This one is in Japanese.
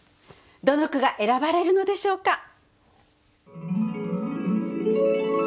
どの句が選ばれるのでしょうか？